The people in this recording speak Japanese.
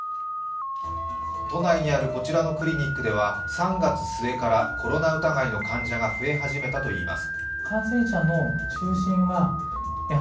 １つめは都内にあるこちらのクリニックでは３月末からコロナ疑いの患者が増え始めたといいます。